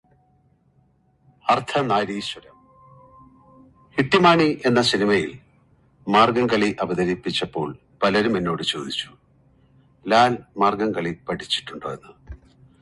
The Spanish Empire later purchased mainland Paragua from the Sultan of Borneo.